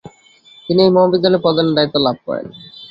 তিনি এই মহাবিদ্যালয়ের প্রধানের দায়িত্ব লাভ করেন।